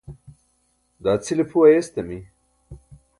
daa cʰile phu ayestami